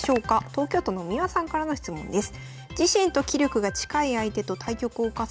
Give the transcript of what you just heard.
東京都のみわさんからの質問です。